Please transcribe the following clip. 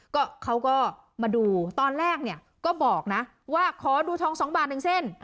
ก็เขาก็มาดูตอนแรกเนี่ยก็บอกนะว่าขอดูทอง๒บาท๑เส้น